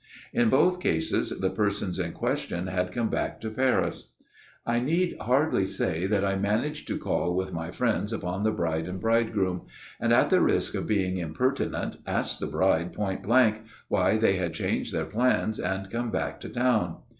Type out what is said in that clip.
In both cases the persons in question had come back to Paris. " I need hardly say that I managed to call with my friends upon the bride and bridegroom ; and, at the risk of being impertinent, asked the bride point blank why they had changed their plans and come back to town.